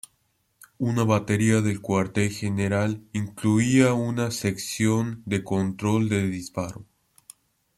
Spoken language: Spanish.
Una batería del Cuartel General incluía una sección de control de disparo.